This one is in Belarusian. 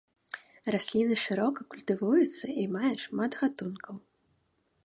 Расліна шырока культывуецца і мае шмат гатункаў.